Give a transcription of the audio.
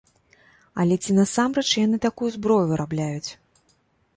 Але ці насамрэч яны такую зброю вырабляюць?